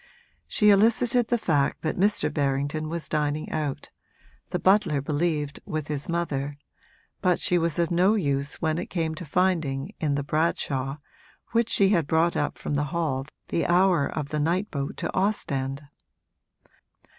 She elicited the fact that Mr. Berrington was dining out the butler believed with his mother but she was of no use when it came to finding in the 'Bradshaw' which she brought up from the hall the hour of the night boat to Ostend.